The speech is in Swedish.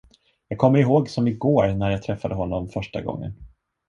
Jag kommer ihåg som i går när jag träffade honom första gången.